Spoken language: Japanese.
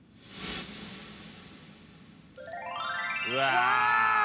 うわ！